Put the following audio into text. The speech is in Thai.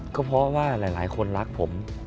ก็เพราะว่าหลายคนรักผม